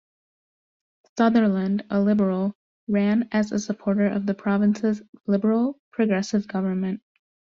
Sutherland, a Liberal, ran as a supporter of the province's Liberal-Progressive government.